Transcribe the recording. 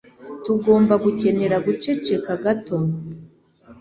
Tugomba gukenera guceceka gato.